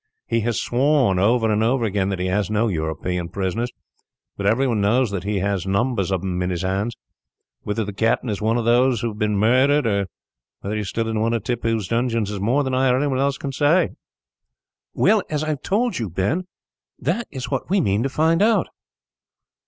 He has sworn, over and over again, that he has no European prisoners, but every one knows that he has numbers of them in his hands. Whether the captain is one of those who have been murdered, or whether he is still in one of Tippoo's dungeons, is more than I or any one else can say." "Well, as I have told you, Ben, that is what we mean to find out."